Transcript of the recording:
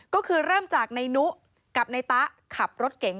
ก็คือเริ่มจากในนุกับนายตะขับรถเก๋ง